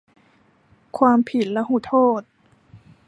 ความผิดลหุโทษ